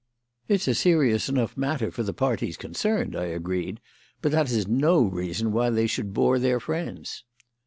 "It's a serious enough matter for the parties concerned," I agreed; "but that is no reason why they should bore their friends."